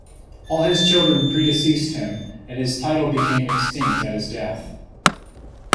All his children predeceased him, and his title became extinct at his death.